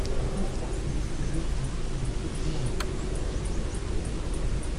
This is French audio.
Sur le plan sportif, les Éton ont leur petit mot à dire.